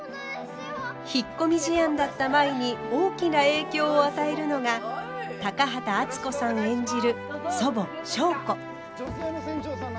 引っ込み思案だった舞に大きな影響を与えるのが高畑淳子さん演じる祖母祥子。